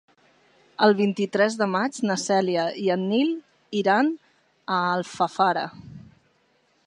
El vint-i-tres de maig na Cèlia i en Nil iran a Alfafara.